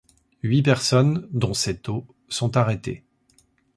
Huit personnes dont Szeto sont arrêtées.